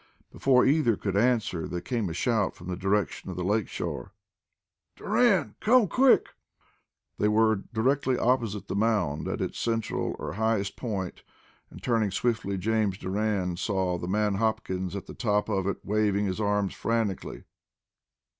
Before either could answer, there came a shout from the direction of the lake shore. "Doran, come quick!" They were directly opposite the mound, at its central or highest point, and, turning swiftly, James Doran saw the man Hopkins at the top of it, waving his arms frantically.